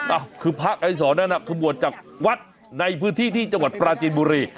อ่ะคือพระไกรสอนนั้นคือบวชจากวัดในพื้นที่ที่จังหวัดปราจีนบุรี